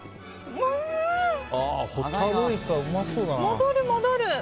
戻る、戻る。